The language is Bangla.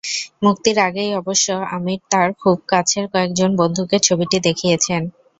মুক্তির আগেই অবশ্য আমির তাঁর খুব কাছের কয়েকজন বন্ধুকে ছবিটি দেখিয়েছেন।